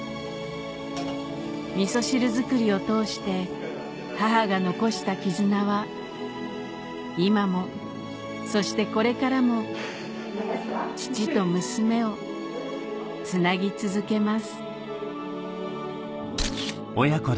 みそ汁作りを通して母が残した絆は今もそしてこれからも父と娘をつなぎ続けます